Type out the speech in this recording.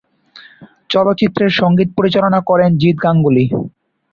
চলচ্চিত্রের সংগীত পরিচালনা করেন জিৎ গাঙ্গুলী।